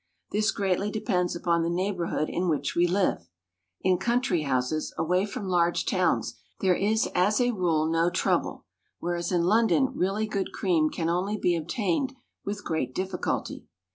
This greatly depends upon the neighbourhood in which we live. In country houses, away from large towns, there is as a rule no trouble, whereas in London really good cream can only be obtained with great difficulty.